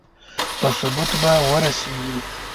په ثبوت به ورسېږي.